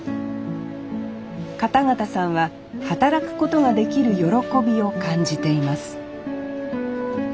片方さんは働くことができる喜びを感じています